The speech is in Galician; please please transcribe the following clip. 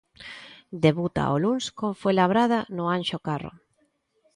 Debuta o luns co Fuenlabrada no Anxo Carro.